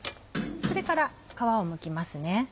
それから皮をむきますね。